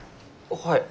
はい。